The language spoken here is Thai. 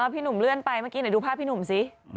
พี่หนุ่มเลื่อนไปเมื่อกี้ไหนดูภาพพี่หนุ่มสิ